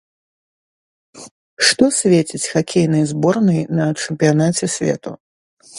Што свеціць хакейнай зборнай на чэмпіянаце свету?